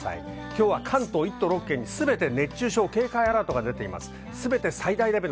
今日は関東１都６県に熱中症警戒アラートが出ています。